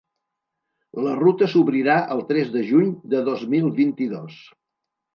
La ruta s’obrirà el tres de juny de dos mil vint-i-dos.